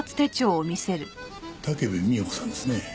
武部美代子さんですね？